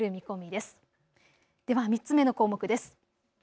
では３つ目の項目です。